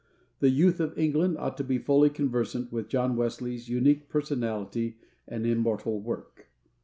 The youth of England ought to be fully conversant with John Wesley's unique personality and immortal work.